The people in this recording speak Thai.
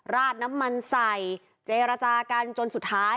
ราดน้ำมันใส่เจรจากันจนสุดท้าย